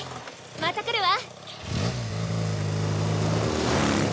また来るわ！